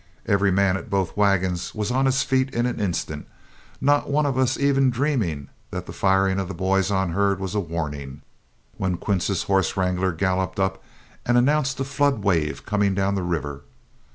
Every man at both wagons was on his feet in an instant, not one of us even dreaming that the firing of the boys on herd was a warning, when Quince's horsewrangler galloped up and announced a flood wave coming down the river.